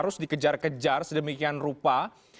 harus dikejar kejar sedemikian rupa